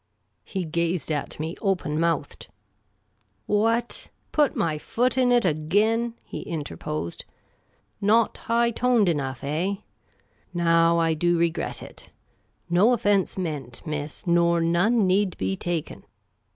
He gazed at me open mouthed. " What? Put my foot in it again?" he interposed. " Not high toned enough, eh ? Now, I do regret it. No ofience meant, miss, nor none need be taken.